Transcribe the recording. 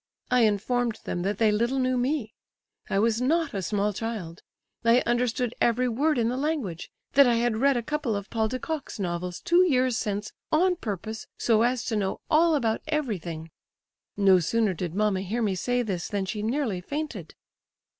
I informed them that they little knew me—I was not a small child—I understood every word in the language—that I had read a couple of Paul de Kok's novels two years since on purpose, so as to know all about everything. No sooner did mamma hear me say this than she nearly fainted!"